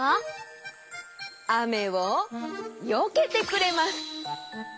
あめをよけてくれます。